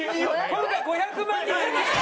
今回５００万になりました！